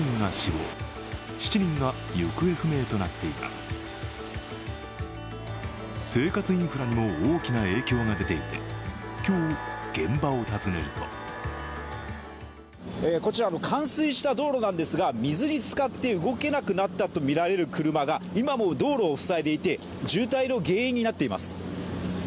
生活インフラにも大きな影響が出ていて、今日、現場を訪ねるとこちら、冠水した道路なんでずか水につかって動けなくなったとみられる車が今も道路を塞いでいて、渋滞の原因になっています。